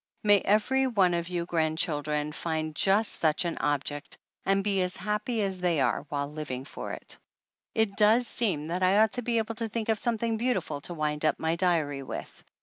May every one of you grand children find just such an object, and be as happy as they are while living for it ! It does seem that I ought to be able to think of something beautiful to wind up my diary with!